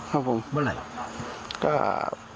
เมื่อไหร่